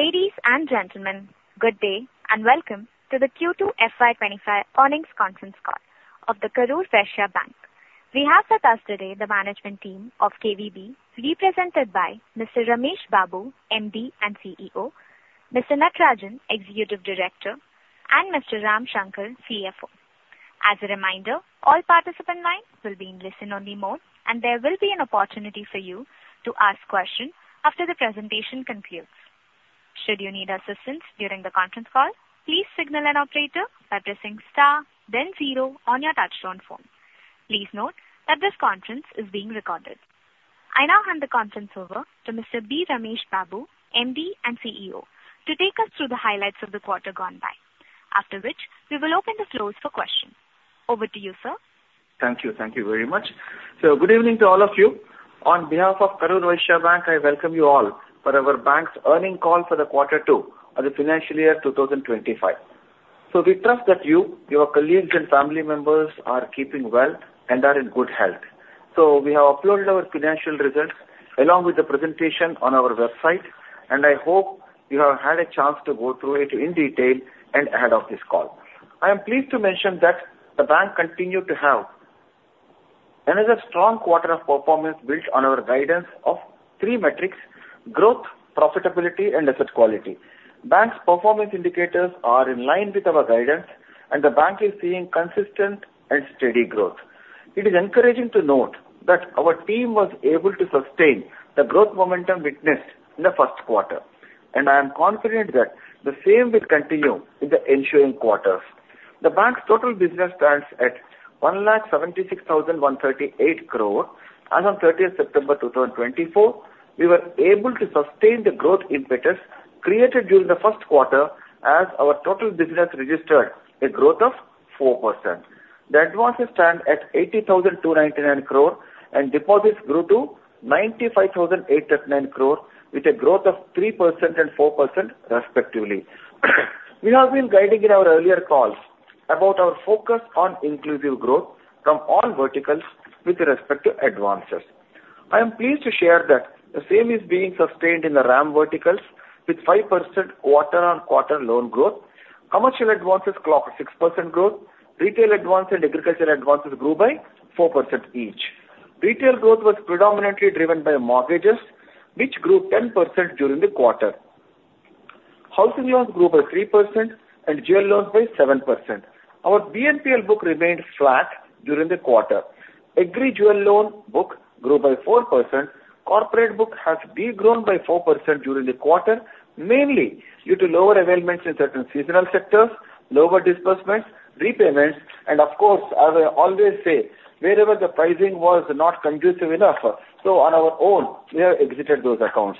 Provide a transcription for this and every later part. Ladies and gentlemen, good day, and welcome to the Q2 FY25 earnings conference call of the Karur Vysya Bank. We have with us today the management team of KVB, represented by Mr. B. Ramesh Babu, MD and CEO, Mr. J. Natarajan, Executive Director, and Mr. Ramshankar, CFO. As a reminder, all participant lines will be in listen-only mode, and there will be an opportunity for you to ask questions after the presentation concludes. Should you need assistance during the conference call, please signal an operator by pressing star then zero on your touchtone phone. Please note that this conference is being recorded. I now hand the conference over to Mr. B. Ramesh Babu, MD and CEO, to take us through the highlights of the quarter gone by, after which we will open the floor for questions. Over to you, sir. Thank you. Thank you very much. Good evening to all of you. On behalf of Karur Vysya Bank, I welcome you all for our bank's earnings call for the quarter two of the financial year two thousand twenty-five. We trust that you, your colleagues, and family members are keeping well and are in good health. We have uploaded our financial results along with the presentation on our website, and I hope you have had a chance to go through it in detail and ahead of this call. I am pleased to mention that the bank continued to have another strong quarter of performance built on our guidance of three metrics: growth, profitability, and asset quality. Bank's performance indicators are in line with our guidance, and the bank is seeing consistent and steady growth. It is encouraging to note that our team was able to sustain the growth momentum witnessed in the first quarter, and I am confident that the same will continue in the ensuing quarters. The bank's total business stands at one lakh seventy-six thousand one thirty-eight crore. As on thirtieth September two thousand twenty-four, we were able to sustain the growth impetus created during the first quarter as our total business registered a growth of 4%. The advances stand at eighty thousand two ninety-nine crore, and deposits grew to ninety-five thousand eight thirty-nine crore, with a growth of 3% and 4% respectively. We have been guiding in our earlier calls about our focus on inclusive growth from all verticals with respect to advances. I am pleased to share that the same is being sustained in the RAM verticals, with 5% quarter on quarter loan growth. Commercial advances clocked 6% growth. Retail advance and agriculture advances grew by 4% each. Retail growth was predominantly driven by mortgages, which grew 10% during the quarter. Housing loans grew by 3% and jewel loans by 7%. Our BNPL book remained flat during the quarter. Agri jewel loan book grew by 4%. Corporate book has de-grown by 4% during the quarter, mainly due to lower availments in certain seasonal sectors, lower disbursements, repayments, and of course, as I always say, wherever the pricing was not conducive enough, so on our own, we have exited those accounts.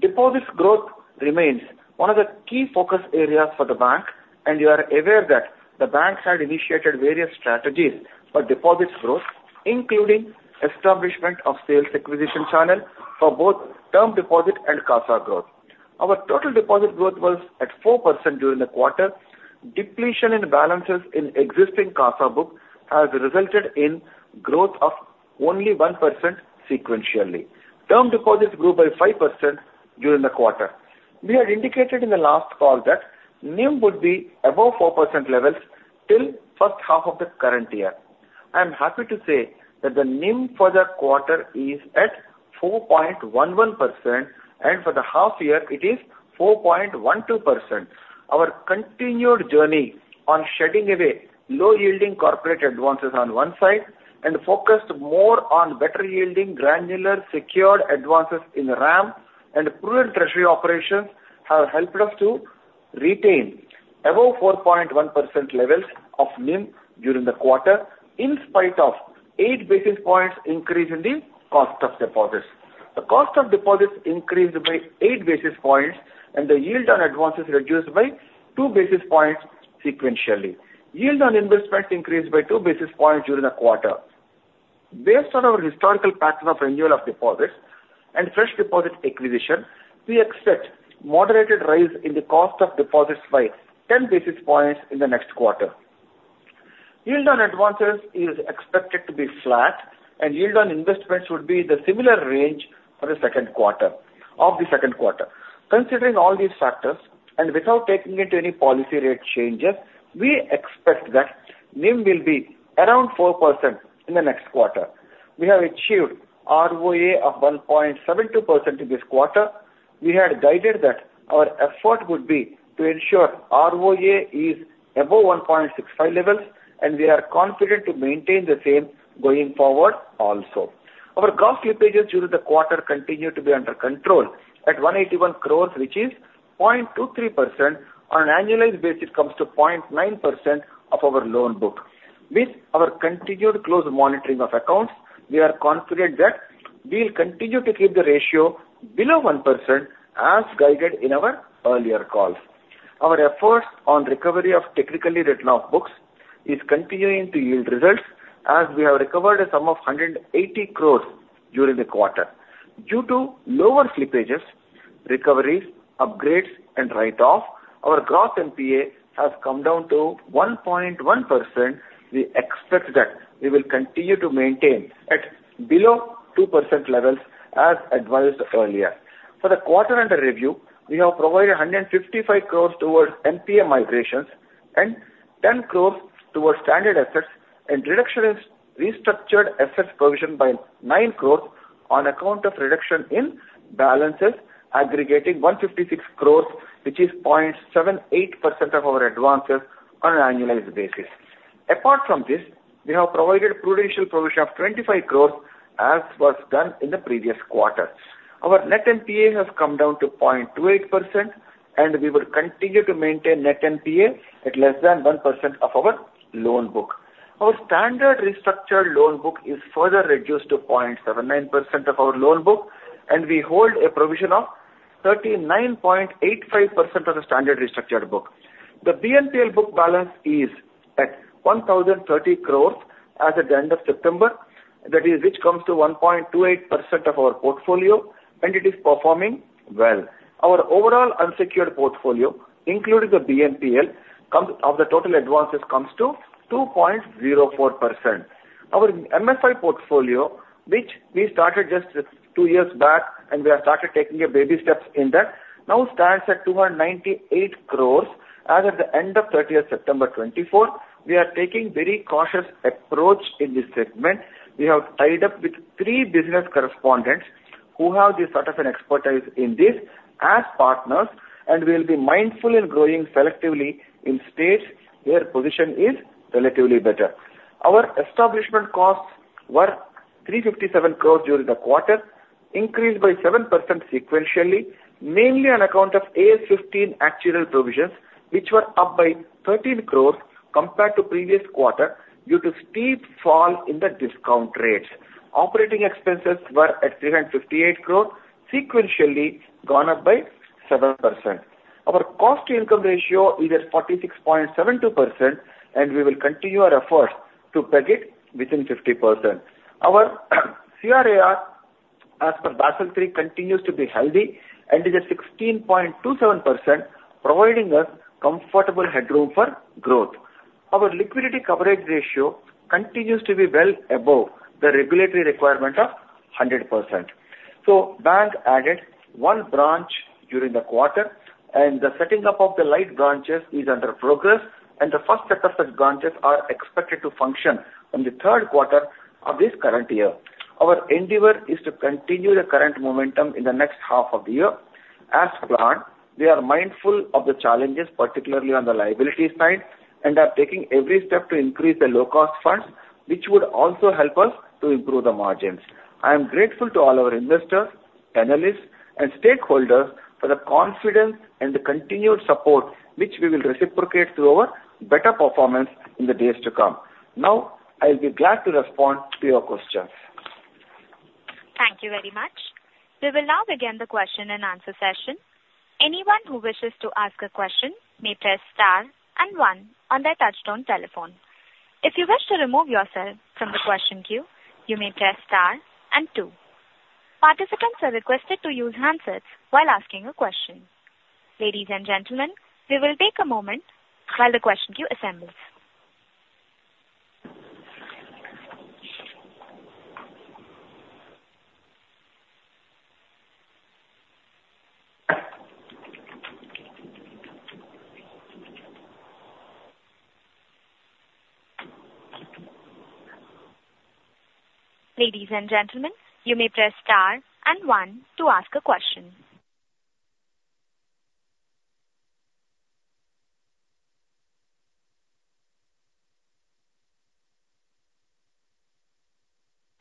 Deposits growth remains one of the key focus areas for the bank, and you are aware that the bank side initiated various strategies for deposits growth, including establishment of sales acquisition channel for both term deposit and CASA growth. Our total deposit growth was at 4% during the quarter. Depletion in balances in existing CASA book has resulted in growth of only 1% sequentially. Term deposits grew by 5% during the quarter. We had indicated in the last call that NIM would be above 4% levels till first half of the current year. I am happy to say that the NIM for the quarter is at 4.11%, and for the half year it is 4.12%. Our continued journey on shedding away low-yielding corporate advances on one side and focused more on better yielding, granular, secured advances in RAM and prudent treasury operations have helped us to retain above 4.1% levels of NIM during the quarter, in spite of eight basis points increase in the cost of deposits. The cost of deposits increased by eight basis points, and the yield on advances reduced by two basis points sequentially. Yield on investments increased by two basis points during the quarter. Based on our historical pattern of renewal of deposits and fresh deposit acquisition, we expect moderated rise in the cost of deposits by 10 basis points in the next quarter. Yield on advances is expected to be flat, and yield on investments would be the similar range for the second quarter. Considering all these factors, and without taking into any policy rate changes, we expect that NIM will be around 4% in the next quarter. We have achieved ROA of 1.72% in this quarter. We had guided that our effort would be to ensure ROA is above 1.65 levels, and we are confident to maintain the same going forward also. Our gross slippages during the quarter continued to be under control at 181 crore, which is 0.23%. On an annualized basis, it comes to 0.9% of our loan book. With our continued close monitoring of accounts, we are confident that we will continue to keep the ratio below 1%, as guided in our earlier calls. Our efforts on recovery of technically written off books is continuing to yield results, as we have recovered a sum of 180 crore during the quarter. Due to lower slippages, recoveries, upgrades, and write-offs. Our gross NPA has come down to 1.1%. We expect that we will continue to maintain at below 2% levels, as advised earlier. For the quarter under review, we have provided 155 crore towards NPA migrations and 10 crore towards standard assets, and reduction in restructured assets provision by 9 crore on account of reduction in balances aggregating 156 crore, which is 0.78% of our advances on an annualized basis. Apart from this, we have provided prudential provision of 25 crore, as was done in the previous quarter. Our net NPA has come down to 0.28%, and we will continue to maintain net NPA at less than 1% of our loan book. Our standard restructured loan book is further reduced to 0.79% of our loan book, and we hold a provision of 39.85% of the standard restructured book. The BNPL book balance is at 1,030 crores as at the end of September, that is, which comes to 1.28% of our portfolio, and it is performing well. Our overall unsecured portfolio, including the BNPL, comes to 2.04% of the total advances. Our MFI portfolio, which we started just two years back and we have started taking a baby steps in that, now stands at 298 crores as at the end of 30th September 2024. We are taking very cautious approach in this segment. We have tied up with three business correspondents who have this sort of an expertise in this as partners, and we will be mindful in growing selectively in states where position is relatively better. Our establishment costs were 357 crore during the quarter, increased by 7% sequentially, mainly on account of AS 15 actuarial provisions, which were up by 13 crore compared to previous quarter due to steep fall in the discount rates. Operating expenses were at 358 crore, sequentially gone up by 7%. Our cost to income ratio is at 46.72%, and we will continue our efforts to peg it within 50%. Our CRAR, as per Basel III, continues to be healthy and is at 16.27%, providing a comfortable headroom for growth. Our liquidity coverage ratio continues to be well above the regulatory requirement of 100%. Bank added one branch during the quarter, and the setting up of the light branches is in progress, and the first set of such branches are expected to function in the third quarter of this current year. Our endeavor is to continue the current momentum in the next half of the year. As planned, we are mindful of the challenges, particularly on the liability side, and are taking every step to increase the low-cost funds, which would also help us to improve the margins. I am grateful to all our investors, analysts, and stakeholders for the confidence and the continued support, which we will reciprocate through our better performance in the days to come. Now, I'll be glad to respond to your questions. Thank you very much. We will now begin the question and answer session. Anyone who wishes to ask a question may press star and one on their touchtone telephone. If you wish to remove yourself from the question queue, you may press star and two. Participants are requested to use handsets while asking a question. Ladies and gentlemen, we will take a moment while the question queue assembles. Ladies and gentlemen, you may press star and one to ask a question.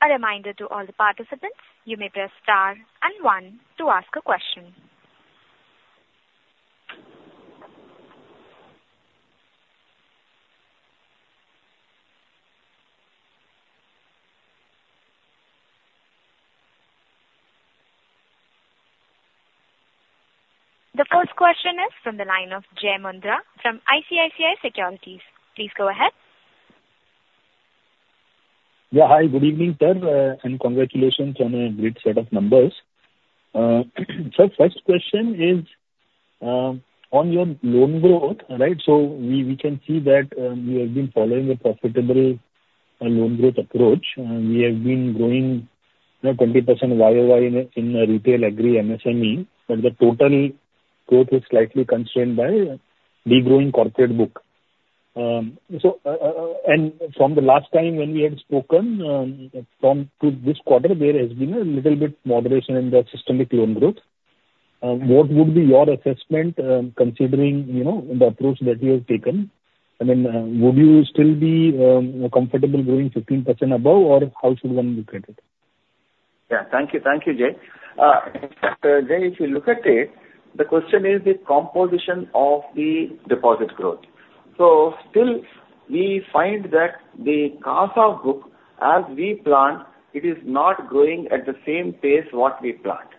A reminder to all the participants, you may press star and one to ask a question. The first question is from the line of Jay Mundra from ICICI Securities. Please go ahead. Yeah. Hi, good evening, sir, and congratulations on a great set of numbers. So first question is on your loan growth, right? So we can see that you have been following a profitable loan growth approach, and we have been growing, you know, 20% YOY in retail, agri, MSME, but the total growth is slightly constrained by degrowing corporate book. And from the last time when we had spoken, from then to this quarter, there has been a little bit moderation in the systemic loan growth. What would be your assessment, considering, you know, the approach that you have taken? And then, would you still be comfortable growing 15% above, or how should one look at it? Yeah. Thank you. Thank you, Jay. Jay, if you look at it, the question is the composition of the deposit growth. So still, we find that the CASA book, as we planned, it is not growing at the same pace what we planned.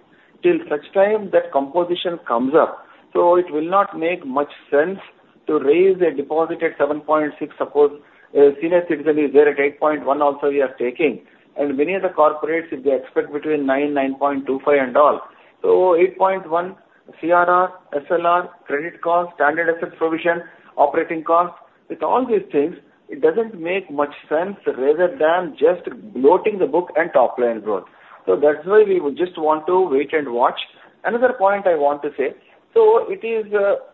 Till such time that composition comes up, so it will not make much sense to raise a deposit at 7.6%, suppose a senior citizen is there at 8.1% also we are taking, and many of the corporates, if they expect between 9-9.25% and all. So 8.1% CRR, SLR, credit cost, standard asset provision, operating costs, with all these things, it doesn't make much sense rather than just bloating the book and top line growth. So that's why we would just want to wait and watch. Another point I want to say, so it is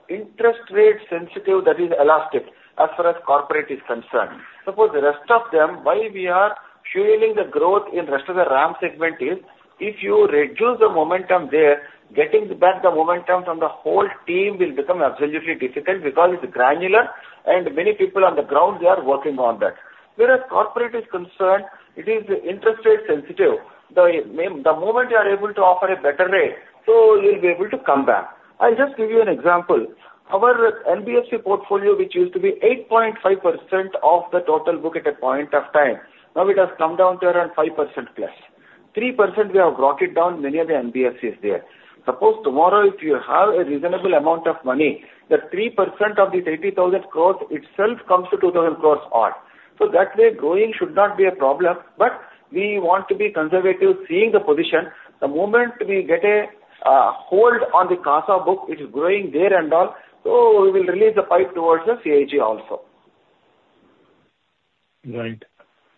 interest rate sensitive, that is elastic as far as corporate is concerned. Suppose the rest of them, why we are fueling the growth in rest of the RAM segment is if you reduce the momentum there, getting back the momentum from the whole team will become absolutely difficult because it's granular and many people on the ground, they are working on that. Whereas corporate is concerned, it is interest rate sensitive. The moment you are able to offer a better rate, so you'll be able to come back. I'll just give you an example. Our NBFC portfolio, which used to be 8.5% of the total book at a point of time, now it has come down to around 5% plus. 3% we have brought it down, many of the NBFC is there. Suppose tomorrow if you have a reasonable amount of money, the 3% of this 80,000 crores itself comes to 2,000 crores odd. So that way, growing should not be a problem, but we want to be conservative seeing the position. The moment we get a hold on the CASA book, it is growing there and all, so we will release the pipe towards the CIG also. Right.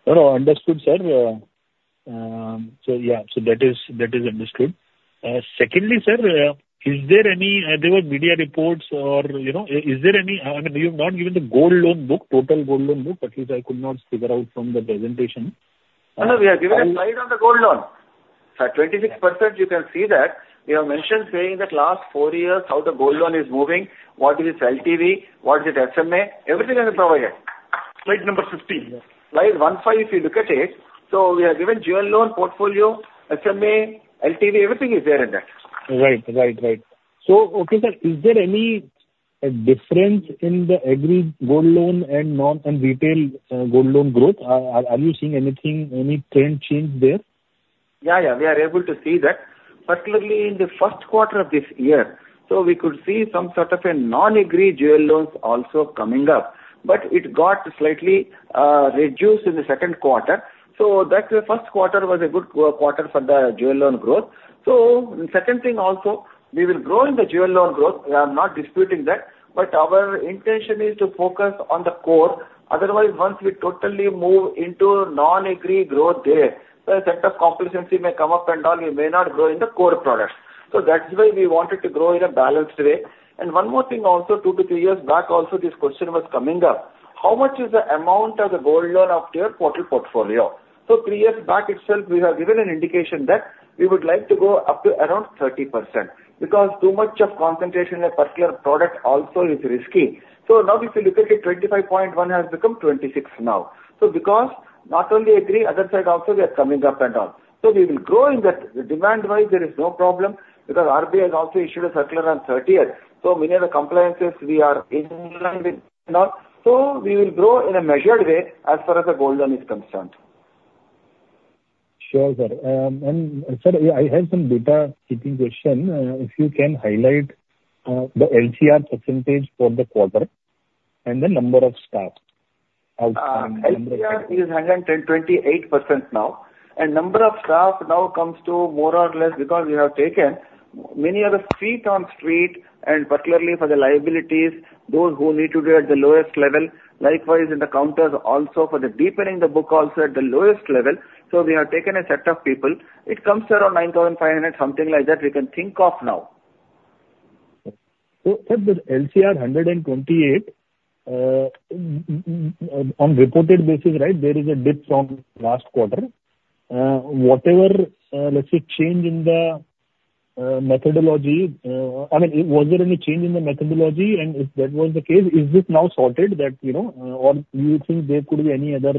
No, no, understood, sir. So yeah, so that is, that is understood. Secondly, sir, is there any? There were media reports or, you know, is there any? I mean, you've not given the gold loan book, total gold loan book. At least I could not figure out from the presentation. No, no, we have given a slide on the gold loan. So at 26%, you can see that we have mentioned saying that last four years, how the gold loan is moving, what is its LTV, what is its SMA, everything has been provided. Slide number 15, yeah. Slide 15, if you look at it, so we have given Jewel Loan portfolio, SMA, LTV, everything is there in that. Right. So, okay, sir, is there any difference in the agri gold loan and non-retail gold loan growth? Are you seeing anything, any trend change there? Yeah, yeah, we are able to see that, particularly in the first quarter of this year. So we could see some sort of a non-agri jewel loans also coming up, but it got slightly reduced in the second quarter. So that's the first quarter was a good quarter for the jewel loan growth. So the second thing also, we will grow in the jewel loan growth. We are not disputing that, but our intention is to focus on the core. Otherwise, once we totally move into non-agri growth there, the set of complacencies may come up and all, we may not grow in the core products. So that's why we wanted to grow in a balanced way. And one more thing also, two to three years back also, this question was coming up: How much is the amount of the gold loan up to your total portfolio? Three years back itself, we have given an indication that we would like to go up to around 30%, because too much of concentration in a particular product also is risky. Now if you look at it, 25.1 has become 26 now. Because not only agri, other side also we are coming up and all. We will grow in that. Demand-wise, there is no problem because RBI has also issued a circular on the thirtieth. Many of the compliances we are in line with and all, so we will grow in a measured way as far as the gold loan is concerned. Sure, sir. And sir, I have some housekeeping question. If you can highlight the LCR percentage for the quarter and the number of staff? LCR is 128% now, and number of staff now comes to more or less, because we have taken many of the street on street, and particularly for the liabilities, those who need to be at the lowest level. Likewise, in the counters also for the deepening the book also at the lowest level. So we have taken a set of people. It comes around nine thousand five hundred, something like that we can think of now. So, sir, the LCR 128, on reported basis, right, there is a dip from last quarter. Whatever, let's say, change in the methodology, I mean, was there any change in the methodology? And if that was the case, is this now sorted that, you know, or do you think there could be any other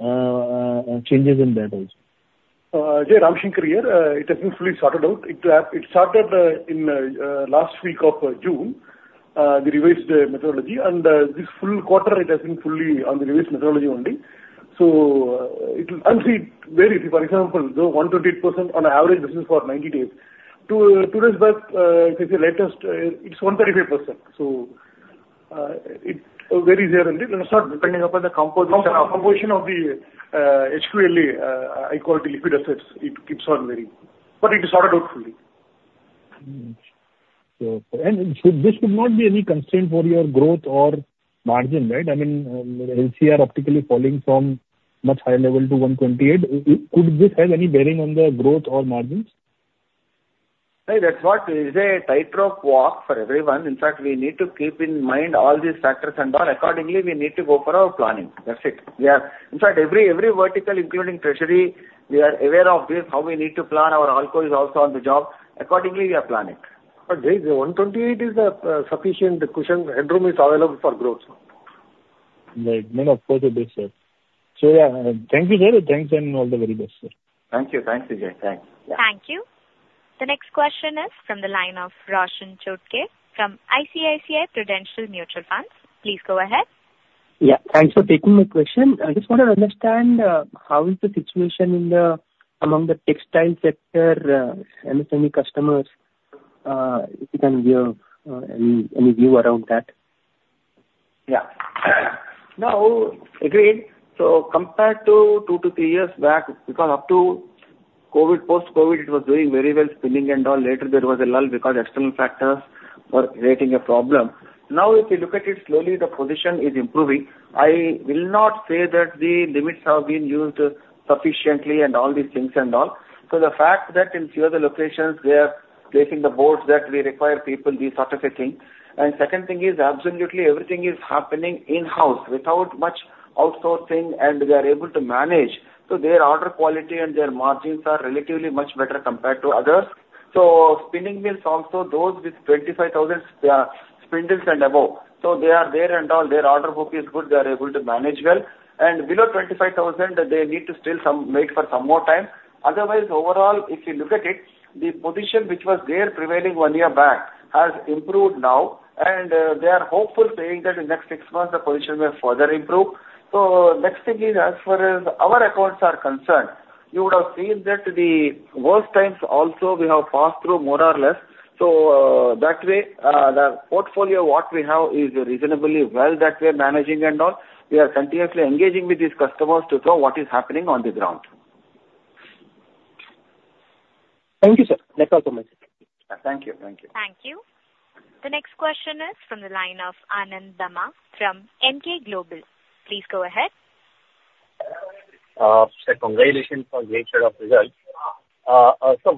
changes in that also? Jay, Ramshankar here. It has been fully sorted out. It started in last week of June, the revised methodology, and this full quarter, it has been fully on the revised methodology only. It will actually vary. For example, the 128% on an average basis for 90 days. Two days back, if you see latest, it's 135%. It varies there and it will start depending upon the composition of the HQLA, high quality liquid assets. It keeps on varying, but it is sorted out fully. This should not be any constraint for your growth or margin, right? I mean, LCR optically falling from much higher level to 128. Could this have any bearing on the growth or margins? Hey, that's what is a tightrope walk for everyone. In fact, we need to keep in mind all these factors and all. Accordingly, we need to go for our planning. That's it. We are. In fact, every vertical, including treasury, we are aware of this, how we need to plan our ALCO is also on the job. Accordingly, we are planning. But the 128 is a sufficient cushion, and room is available for growth. Right. No, no, of course it is, sir. So, yeah, thank you, sir. Thanks and all the very best, sir. Thank you. Thanks, Vijay. Thanks. Thank you. The next question is from the line of Roshan Chutkey from ICICI Prudential Mutual Funds. Please go ahead. Yeah, thanks for taking my question. I just want to understand how is the situation in the textile sector among MSME customers, if you can give any view around that? Yeah. Now, again, so compared to two to three years back, because up to COVID, post-COVID, it was doing very well, spinning and all. Later, there was a lull because external factors were creating a problem. Now, if you look at it, slowly the position is improving. I will not say that the limits have been used sufficiently and all these things and all, so the fact that in few of the locations, they are placing the boards that we require people, these sort of a thing. And second thing is, absolutely everything is happening in-house without much outsourcing, and they are able to manage. So their order quality and their margins are relatively much better compared to others. So spinning mills also, those with 25,000 spindles and above, so they are there and all, their order book is good, they are able to manage well. And below 25,000, they need to still wait for some more time. Otherwise, overall, if you look at it, the position which was there prevailing one year back has improved now, and they are hopeful, saying that in the next six months the position may further improve. So next thing is, as far as our accounts are concerned, you would have seen that the worst times also we have passed through more or less. So, that way, the portfolio what we have is reasonably well that we are managing and all. We are continuously engaging with these customers to know what is happening on the ground. Thank you, sir. That's all from my side. Thank you. Thank you. Thank you. The next question is from the line of Anand Dama from Emkay Global Financial Services. Please go ahead. Sir, congratulations on great set of results. So,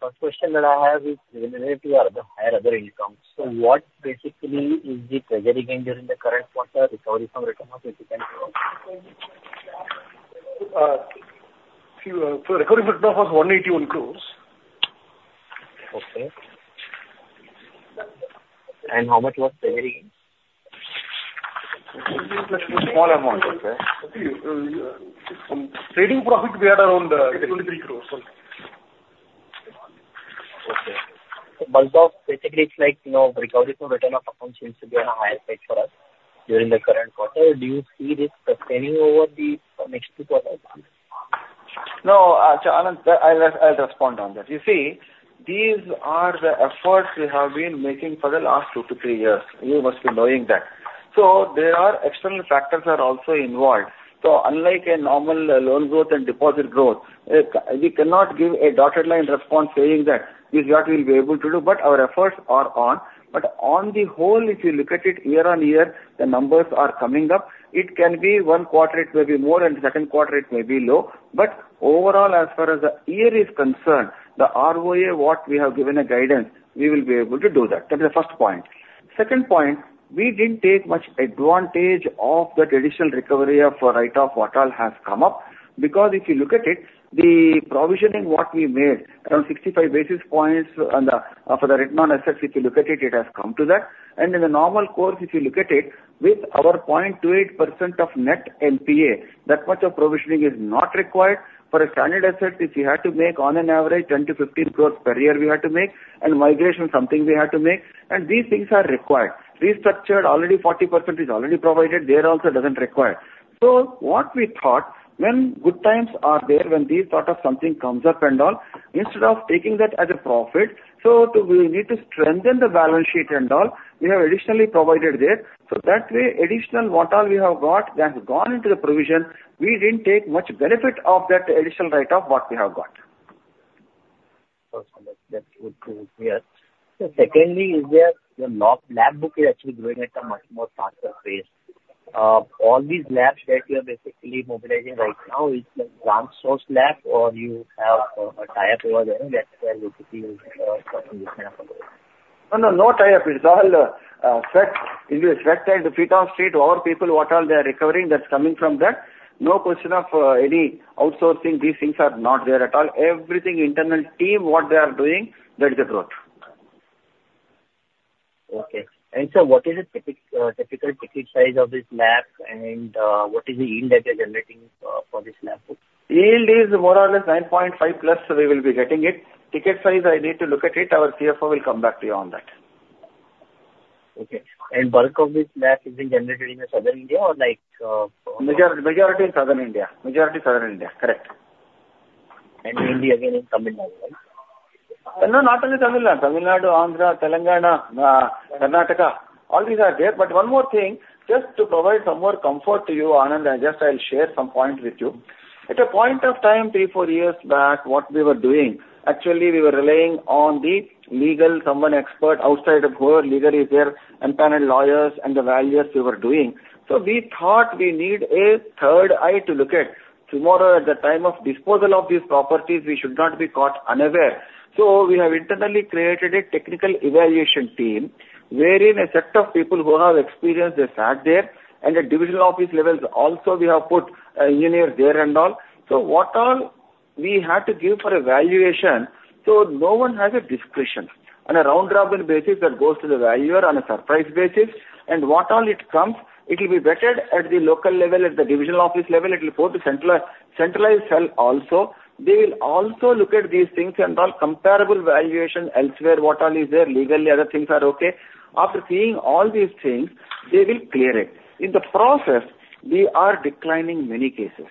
first question that I have is related to the higher other income. So what basically is the treasury gain during the current quarter, recovery from return of it, if you can tell? So recovery from return of 181 crores. Okay. And how much was the treasury gain? Small amount, okay. Trading profit, we had around 23 crores. Okay. So bulk of basically, it's like, you know, recovery from return of accounts seems to be on a higher side for us during the current quarter. Do you see this sustaining over the next two quarters? No, so, Anand, I'll respond on that. You see, these are the efforts we have been making for the last two to three years. You must be knowing that. So there are external factors are also involved. So unlike a normal loan growth and deposit growth, we cannot give a dotted line response saying that is what we'll be able to do, but our efforts are on. But on the whole, if you look at it year-on-year, the numbers are coming up. It can be one quarter, it may be more, and second quarter, it may be low. But overall, as far as the year is concerned, the ROA, what we have given a guidance, we will be able to do that. That's the first point. Second point, we didn't take much advantage of that additional recovery of write-off what all has come up, because if you look at it, the provisioning what we made, around sixty-five basis points on the, for the written-off assets, if you look at it, it has come to that, and in the normal course, if you look at it, with our 0.28% of Net NPA, that much of provisioning is not required. For a standard asset, if you had to make on an average 10 crore-15 crore per year, we had to make, and migration, something we had to make, and these things are required. Restructured, already 40% is already provided. There also doesn't require. So what we thought, when good times are there, when these sort of something comes up and all, instead of taking that as a profit, so to... We need to strengthen the balance sheet and all, we have additionally provided there. So that way, additional what all we have got, that has gone into the provision, we didn't take much benefit of that additional write-off what we have got. Okay, that's good to hear. Secondly, your loan book is actually growing at a much more faster pace. All these loans that you are basically mobilizing right now, is one source loan or you have a tie-up over there that where basically, No, no, no tie-up. It's all set into a set feet on street. Our people, what all they are recovering, that's coming from that. No question of any outsourcing. These things are not there at all. Everything internal team, what they are doing, that's the growth. Okay. And sir, what is the typical ticket size of this LAP and what is the yield that you're generating for this LAP book? Yield is more or less 9.5 plus, we will be getting it. Ticket size, I need to look at it. Our CFO will come back to you on that. Okay. And bulk of this LAP is being generated in the Southern India or like. Majority in Southern India. Majority Southern India, correct. In India, again, in Tamil Nadu, right? No, not only Tamil Nadu. Tamil Nadu, Andhra, Telangana, Karnataka, all these are there. But one more thing, just to provide some more comfort to you, Anand, I just, I'll share some points with you. At a point of time, three, four years back, what we were doing, actually, we were relying on the legal, some expert outside of here, legal is there, and panel lawyers and the valuers we were doing. So we thought we need a third eye to look at. Tomorrow, at the time of disposal of these properties, we should not be caught unaware. So we have internally created a technical evaluation team, wherein a set of people who have experience, they sat there, and at divisional office levels also we have put engineers there and all. So what all we had to give for a valuation, so no one has a discretion. On a round-robin basis, that goes to the valuer on a surprise basis, and what all it comes, it will be vetted at the local level, at the divisional office level, it will go to centralized cell also. They will also look at these things and all comparable valuation elsewhere, what all is there, legally, other things are okay. After seeing all these things, they will clear it. In the process, we are declining many cases.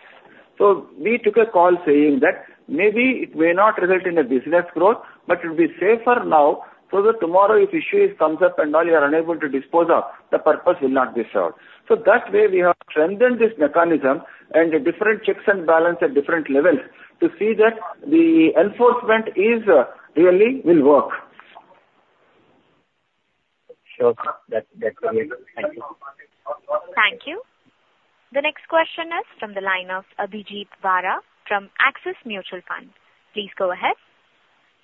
So we took a call saying that maybe it may not result in a business growth, but it'll be safer now, so that tomorrow, if issue comes up and all, you are unable to dispose of, the purpose will not be served. So that way, we have strengthened this mechanism and the different checks and balance at different levels to see that the enforcement is really will work. Sure. That, that's great. Thank you. Thank you. The next question is from the line of Abhijit Vara from Axis Mutual Fund. Please go ahead.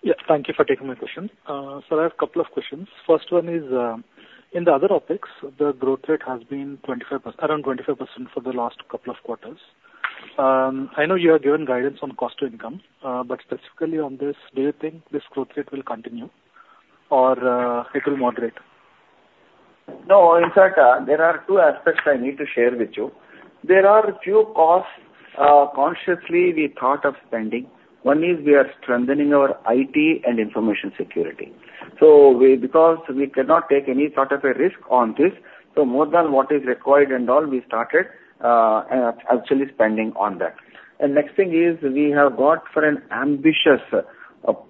Yes, thank you for taking my question. Sir, I have a couple of questions. First one is, in the other topics, the growth rate has been 25%, around 25% for the last couple of quarters. I know you have given guidance on cost to income, but specifically on this, do you think this growth rate will continue or, it will moderate? No, in fact, there are two aspects I need to share with you. There are a few costs consciously we thought of spending. One is we are strengthening our IT and information security. So we, because we cannot take any sort of a risk on this, so more than what is required and all, we started actually spending on that. And the next thing is we have got for an ambitious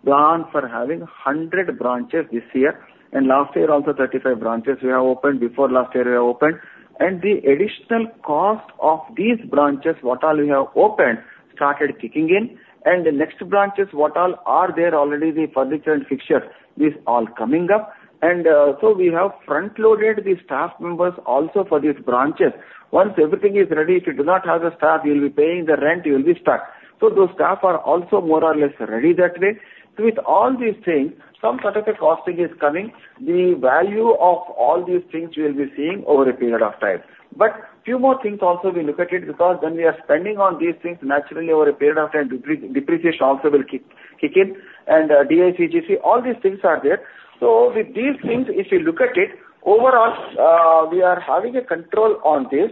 plan for having 100 branches this year, and last year also, 35 branches we have opened, before last year we have opened. And the additional cost of these branches, what all we have opened, started kicking in. And the next branches, what all are there already, the furniture and fixture is all coming up. And so we have front-loaded the staff members also for these branches. Once everything is ready, if you do not have the staff, you will be paying the rent, you will be stuck. So those staff are also more or less ready that way. With all these things, some sort of a costing is coming. The value of all these things you will be seeing over a period of time. But few more things also we look at it, because when we are spending on these things, naturally, over a period of time, depreciation also will kick in, and DICGC, all these things are there. So with these things, if you look at it, overall, we are having a control on this,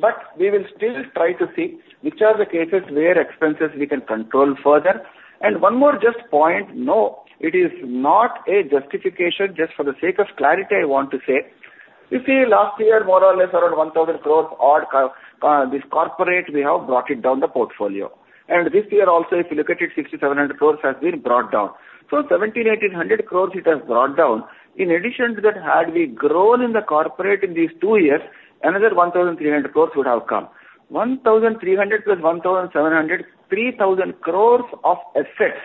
but we will still try to see which are the cases where expenses we can control further. One more point. No, it is not a justification, just for the sake of clarity, I want to say. You see, last year, more or less, around 1,000 crore of corporate, we have brought down the portfolio. And this year also, if you look at it, 6,700 crore has been brought down. So 1,700-1,800 crore it has brought down. In addition to that, had we grown in the corporate in these two years, another 1,300 crore would have come. 1,300 plus 1,700, 3,000 crore of assets,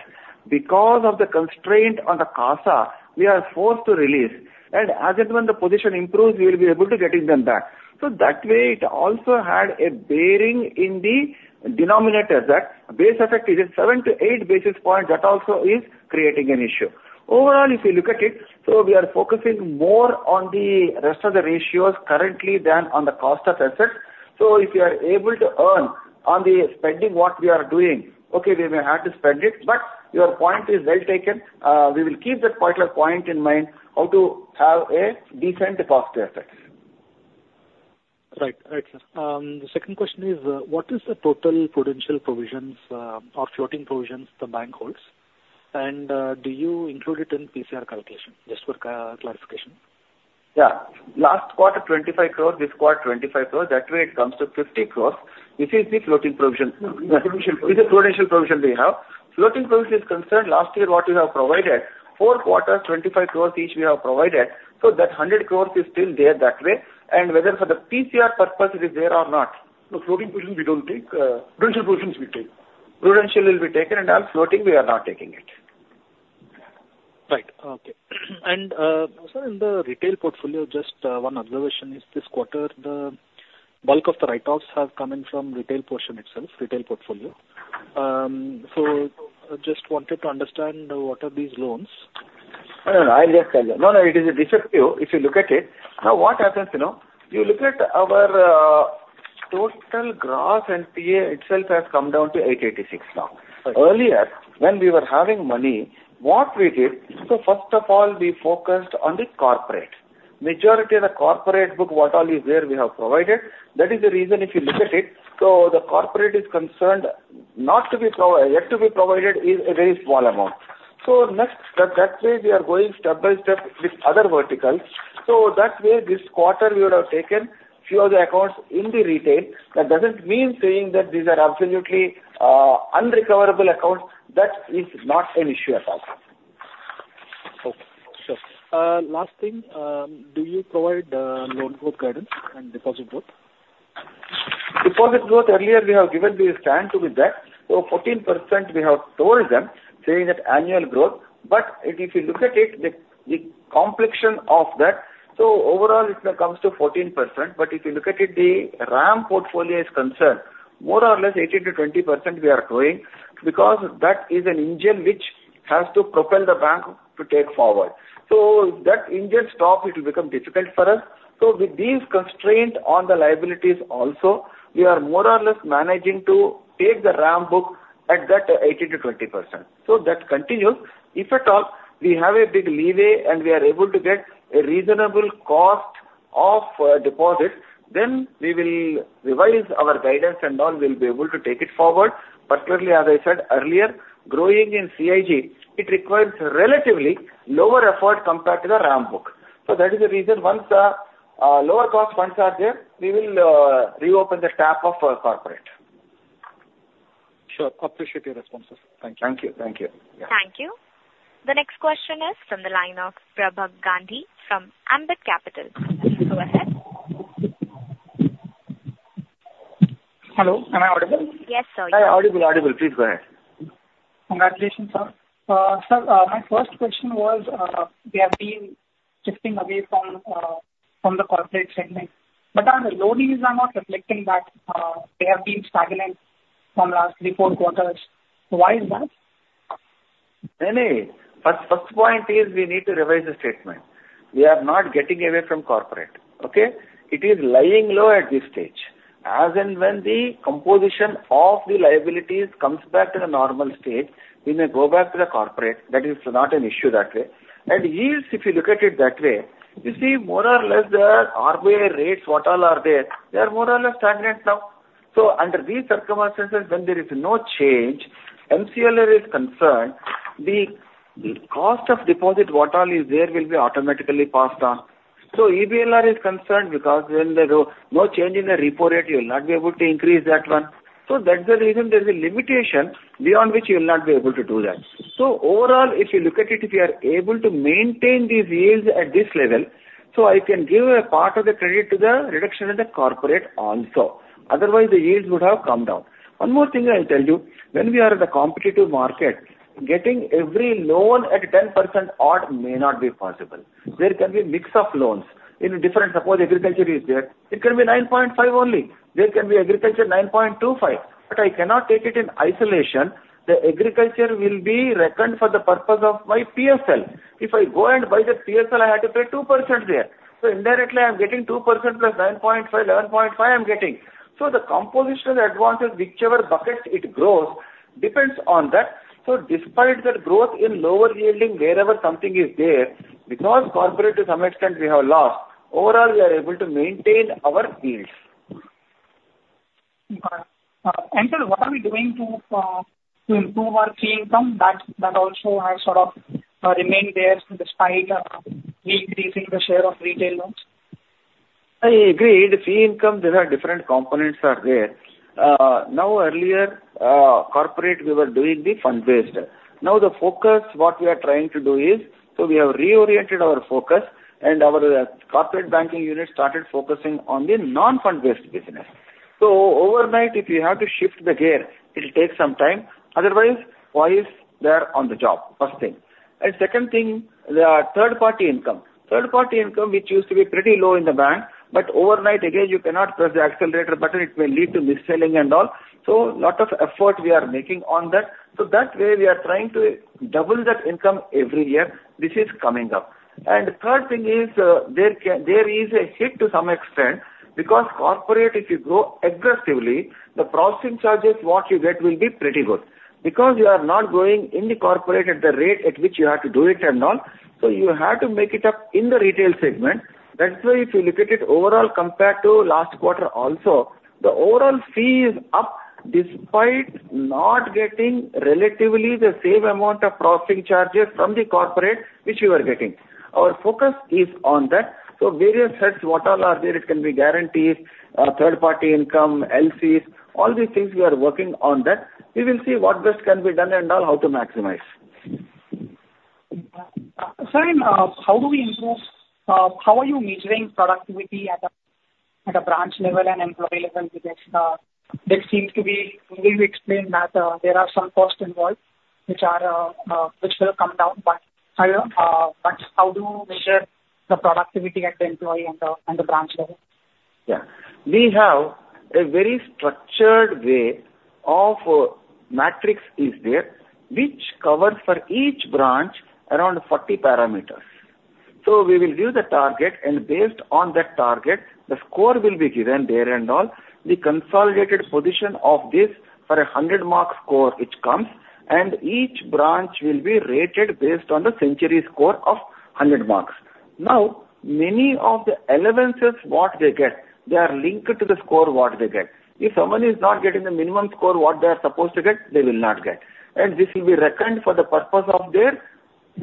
because of the constraint on the CASA, we are forced to release. And as and when the position improves, we will be able to getting them back. So that way, it also had a bearing in the denominator, that base effect is at seven to eight basis point, that also is creating an issue. Overall, if you look at it, so we are focusing more on the rest of the ratios currently than on the cost of assets. So if you are able to earn on the spending, what we are doing, okay, we may have to spend it, but your point is well taken. We will keep that particular point in mind, how to have a decent cost effect. Right. Right, sir. The second question is, what is the total potential provisions, or floating provisions the bank holds? And, do you include it in PCR calculation? Just for clarification. Yeah. Last quarter, 25 crore, this quarter, 25 crore. That way, it comes to 50 crores. This is the floating provision. Potential. This is potential provision we have. Floating provision is concerned, last year, what we have provided, four quarters, 25 crores each we have provided, so that 100 crores is still there that way. And whether for the PCR purpose it is there or not. The floating provision, we don't take potential provisions we take. Provision will be taken, and all floating, we are not taking it. Right. Okay. And so in the retail portfolio, just one observation is this quarter, the bulk of the write-offs have come in from retail portion itself, retail portfolio. So just wanted to understand what are these loans? No, no, I'll just tell you. No, no, it is a deep cut. If you look at it, now, what happens, you know? You look at our total gross NPA itself has come down to 886 now. Right. Earlier, when we were having money, what we did, so first of all, we focused on the corporate. Majority of the corporate book, what all is there, we have provided. That is the reason, if you look at it, so the corporate is concerned, not to be yet to be provided is a very small amount. So next, that way, we are going step by step with other verticals. So that way, this quarter, we would have taken few of the accounts in the retail. That doesn't mean saying that these are absolutely unrecoverable accounts. That is not an issue at all. Okay. Sure. Last thing, do you provide loan book guidance and deposit growth? Deposit growth. Earlier, we have given the standalone with that. 14%, we have told them, saying that annual growth, but if you look at it, the complexion of that. Overall, it now comes to 14%. But if you look at it, as far as the RAM portfolio is concerned, more or less 18%-20% we are growing, because that is an engine which has to propel the bank to take forward. If that engine stops, it will become difficult for us. With these constraints on the liabilities also, we are more or less managing to take the RAM book at that 18%-20%. That continues. If at all we have a big leeway and we are able to get a reasonable cost of deposits, then we will revise our guidance and all. We'll be able to take it forward. Particularly, as I said earlier, growing in CIG, it requires relatively lower effort compared to the RAM book. So that is the reason, once lower cost funds are there, we will reopen the tap of corporate. Sure. Appreciate your responses. Thank you. Thank you. Thank you. Thank you. The next question is from the line of Prabal Gandhi from Ambit Capital. Please go ahead. Hello, am I audible? Yes, sir. Hi, audible, audible. Please go ahead. Congratulations, sir. Sir, my first question was, we have been shifting away from the corporate segment, but our loans are not reflecting that. They have been stagnant from last three, four quarters. Why is that? First point is we need to revise the statement. We are not getting away from corporate, okay? It is lying low at this stage. As and when the composition of the liabilities comes back to the normal state, we may go back to the corporate. That is not an issue that way. And yields, if you look at it that way, you see more or less the RBI rates, what all are there, they are more or less stagnant now. So under these circumstances, when there is no change, MCLR is concerned, the cost of deposit, what all is there, will be automatically passed on. So EBLR is concerned because when there is no change in the repo rate, you will not be able to increase that one. So that's the reason there's a limitation beyond which you will not be able to do that. Overall, if you look at it, if you are able to maintain these yields at this level, I can give a part of the credit to the reduction in the corporate also. Otherwise, the yields would have come down. One more thing I'll tell you, when we are in the competitive market, getting every loan at 10% odd may not be possible. There can be a mix of loans in different... Suppose agriculture is there, it can be 9.5% only. There can be agriculture, 9.25%. But I cannot take it in isolation. The agriculture will be reckoned for the purpose of my PSL. If I go and buy the PSL, I have to pay 2% there. So indirectly, I'm getting 2% plus 9.5%, 11.5%, I'm getting. So the composition advantage, whichever bucket it grows, depends on that. So despite the growth in lower yielding, wherever something is there, because corporate to some extent we have lost, overall, we are able to maintain our yields. Got it. Sir, what are we doing to improve our fee income? That also has sort of remained there despite increasing the share of retail loans. I agree. The fee income, there are different components there. Now, earlier, corporate, we were doing the fund-based. Now the focus, what we are trying to do is, so we have reoriented our focus and our corporate banking unit started focusing on the non-fund-based business. So overnight, if you have to shift the gear, it will take some time. Otherwise, boys, they are on the job, first thing. And second thing, the third-party income. Third-party income, which used to be pretty low in the bank, but overnight, again, you cannot press the accelerator button, it will lead to mis-selling and all. So a lot of effort we are making on that. So that way, we are trying to double that income every year. This is coming up. And third thing is, there can... There is a hit to some extent, because corporate, if you grow aggressively, the processing charges, what you get will be pretty good. Because you are not growing in the corporate at the rate at which you have to do it and all, so you have to make it up in the retail segment. That's why if you look at it overall, compared to last quarter also, the overall fee is up, despite not getting relatively the same amount of processing charges from the corporate, which you are getting. Our focus is on that. So various heads, what all are there, it can be guarantees, third-party income, LCs, all these things, we are working on that. We will see what best can be done and all, how to maximize. Sir, and how do we improve? How are you measuring productivity at a branch level and employee level with this? This seems to be. You explained that there are some costs involved, which will come down, but how do you measure the productivity at the employee and the branch level? Yeah. We have a very structured way of metrics is there, which covers for each branch around 40 parameters. So we will give the target, and based on that target, the score will be given there and all. The consolidated position of this for a 100-mark score, which comes, and each branch will be rated based on the centum score of 100 marks. Now, many of the allowances, what they get, they are linked to the score, what they get. If someone is not getting the minimum score, what they are supposed to get, they will not get. This will be reckoned for the purpose of their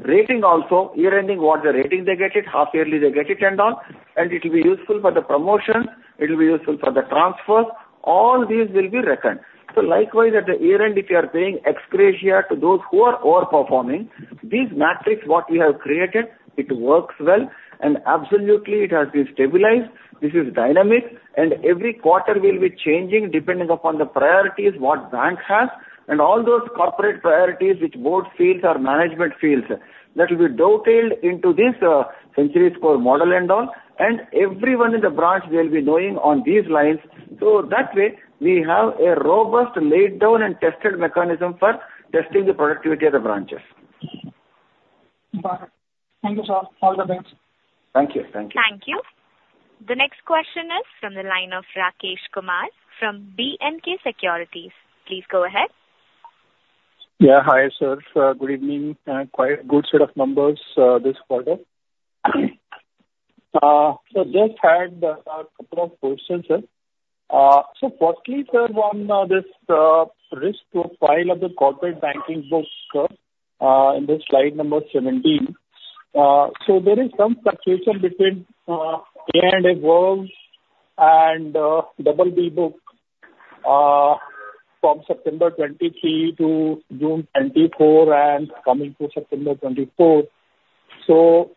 rating also, year-ending, what the rating they get it, half yearly they get it and all, and it will be useful for the promotion, it will be useful for the transfer. All these will be reckoned. So likewise, at the year-end, if you are paying ex gratia to those who are overperforming, these metrics, what we have created, it works well, and absolutely it has been stabilized. This is dynamic, and every quarter will be changing depending upon the priorities, what bank has, and all those corporate priorities which board feels or management feels. That will be detailed into this, century score model and all, and everyone in the branch will be knowing on these lines. So that way, we have a robust, laid down and tested mechanism for testing the productivity of the branches. Got it. Thank you, sir. All the best. Thank you. Thank you. Thank you. The next question is from the line of Rakesh Kumar from BNK Securities. Please go ahead. Yeah, hi, sir. Good evening. Quite a good set of numbers this quarter. So just had a couple of questions, sir. So firstly, sir, on this risk profile of the corporate banking book, sir, in the slide number seventeen, so there is some fluctuation between A and A one and double B book from September 2023 to June 2024 and coming to September 2024. So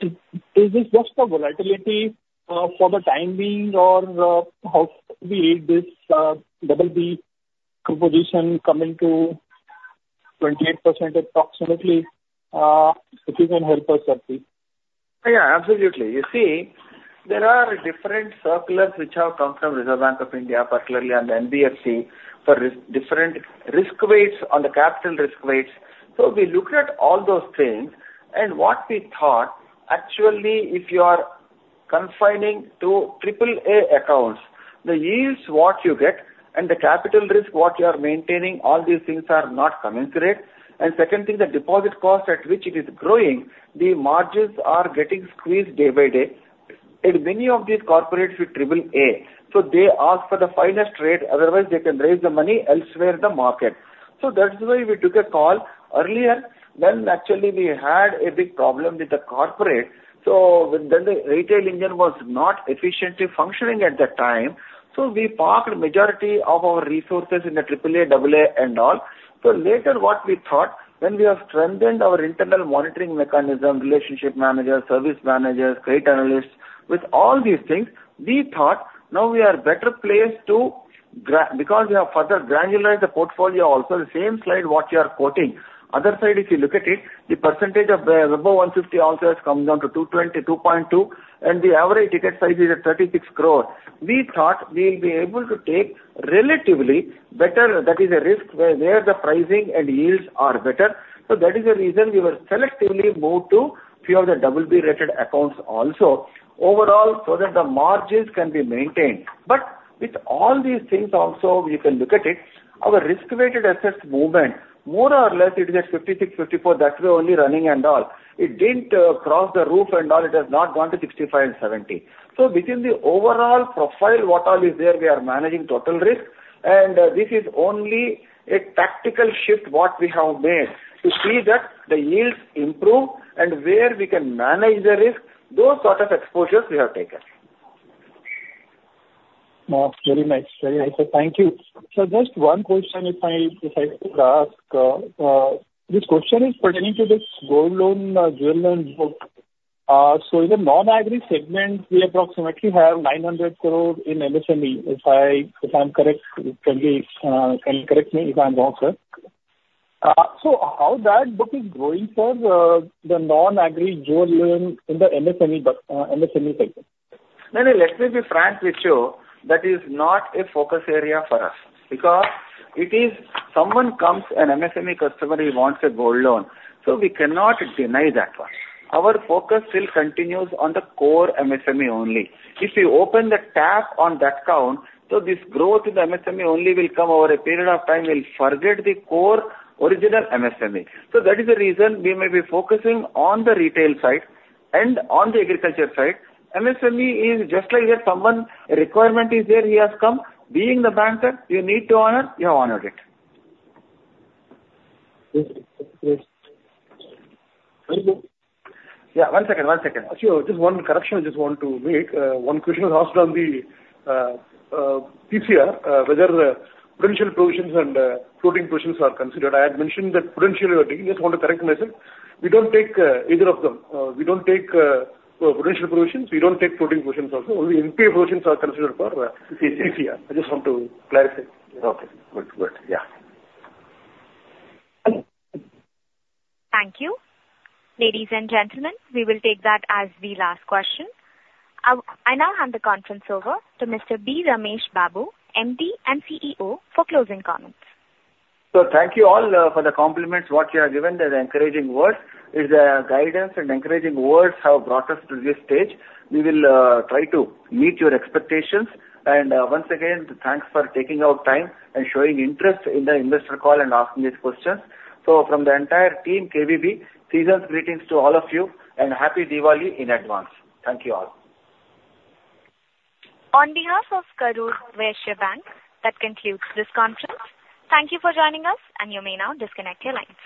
is this just a volatility for the time being, or how we read this double B composition coming to 28%, approximately? If you can help us, sir, please. Yeah, absolutely. You see, there are different circulars which have come from Reserve Bank of India, particularly on the NBFC, for different risk weights on the capital risk weights. So we looked at all those things, and what we thought, actually, if you are confining to triple A accounts, the yields what you get and the capital risk what you are maintaining, all these things are not commensurate. And second thing, the deposit cost at which it is growing, the margins are getting squeezed day by day. And many of these corporates with triple A, so they ask for the finest rate, otherwise they can raise the money elsewhere in the market. So that's why we took a call earlier, when actually we had a big problem with the corporate. When the retail engine was not efficiently functioning at that time, so we parked majority of our resources in the triple A, double A and all. Later, what we thought, when we have strengthened our internal monitoring mechanism, relationship managers, service managers, credit analysts, with all these things, we thought, now we are better placed, because we have further granularized the portfolio also, the same slide what you are quoting. Other side, if you look at it, the percentage of the above 150 also has come down to 2.20, 2.2%, and the average ticket size is at 36 crore. We thought we will be able to take relatively better, that is a risk where the pricing and yields are better. So that is the reason we were selectively moved to few of the double B-rated accounts also, overall, so that the margins can be maintained. But with all these things also, we can look at it, our risk-weighted assets movement, more or less, it is at 56, 54. That's the only running and all. It didn't cross the roof and all, it has not gone to 65 and 70. So within the overall profile, what all is there, we are managing total risk, and this is only a tactical shift, what we have made to see that the yields improve and where we can manage the risk, those sort of exposures we have taken. Very nice. Very nice, sir. Thank you. So just one question, if I, if I could ask, this question is pertaining to this gold loan, jewel loan book. So in the non-agri segment, we approximately have 900 crore in MSME, if I, if I'm correct. You can correct me if I'm wrong, sir. So how that book is growing for, the non-agri jewel loan in the MSME book, MSME segment? No, no, let me be frank with you. That is not a focus area for us, because if someone comes, an MSME customer, he wants a gold loan, so we cannot deny that one. Our focus still continues on the core MSME only. If you open the tap on that account, so this growth in the MSME only will come over a period of time. We'll forget the core original MSME. So that is the reason we may be focusing on the retail side and on the agriculture side. MSME is just like someone, a requirement is there, he has come. Being the banker, you need to honor, you have honored it. Yes. Thank you. Yeah, one second. Actually, just one correction I just want to make. One question was asked on the CRAR, whether prudential provisions and floating provisions are considered. I had mentioned that prudentially, I just want to correct myself. We don't take either of them. We don't take prudential provisions. We don't take floating provisions also. Only NPA provisions are considered for CRAR. CCR. I just want to clarify. Okay, good. Good. Yeah. Thank you. Ladies and gentlemen, we will take that as the last question. I now hand the conference over to Mr. B. Ramesh Babu, MD and CEO, for closing comments. So thank you all for the compliments, what you have given, the encouraging words. It's the guidance and encouraging words have brought us to this stage. We will try to meet your expectations. And once again, thanks for taking out time and showing interest in the investor call and asking these questions. So from the entire team, KVB, seasonal greetings to all of you, and Happy Diwali in advance. Thank you all. On behalf of Karur Vysya Bank, that concludes this conference. Thank you for joining us, and you may now disconnect your lines.